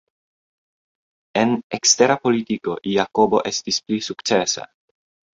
En ekstera politiko, Jakobo estis pli sukcesa.